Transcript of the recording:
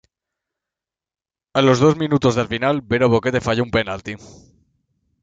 A los dos minutos del final, Vero Boquete falló un penalti.